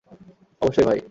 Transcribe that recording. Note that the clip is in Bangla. অবশ্যই, ভাই।